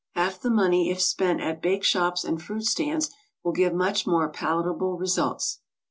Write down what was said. Half the money if spent at bake shops and fruit stands will give much more palatable results.